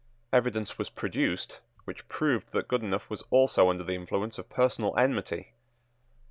Evidence was produced which proved that Goodenough was also under the influence of personal enmity.